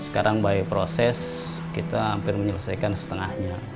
sekarang by process kita hampir menyelesaikan setengahnya